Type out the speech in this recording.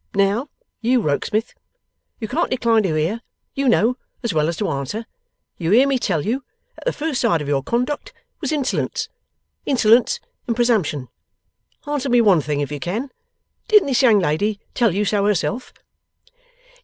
Now, you Rokesmith! You can't decline to hear, you know, as well as to answer. You hear me tell you that the first side of your conduct was Insolence Insolence and Presumption. Answer me one thing, if you can. Didn't this young lady tell you so herself?